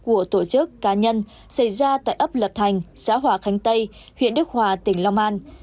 của tổ chức cá nhân xảy ra tại ấp lập thành xã hòa khánh tây huyện đức hòa tỉnh long an